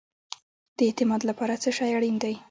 د اعتماد لپاره څه شی اړین دی؟